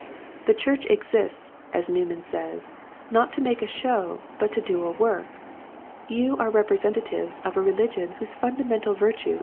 " The church exists," as Newman says, *'not to make a show but to do a work." You are representa tives of a religion whose fundamental virtue Dishonesty.